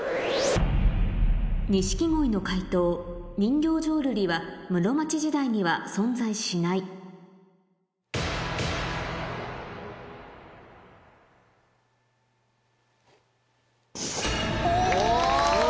錦鯉の解答人形浄瑠璃は室町時代には存在しないお！